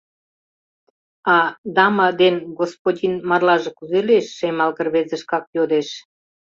— А «дама» ден «господин» марлаже кузе лиеш? — шемалге рвезе шкак йодеш.